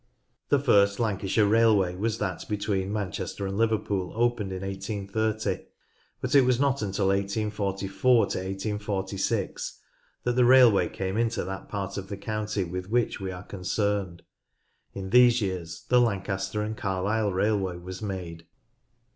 The first Lancashire railway was that between Manchester and Liverpool, opened in 1830, but it was not until 1844 46 that the railway came into that part of the county with which we are concerned. In these years the Lancaster and Carlisle railway was made.